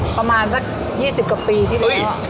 ประมาณสัก๒๐กว่าปีที่แล้ว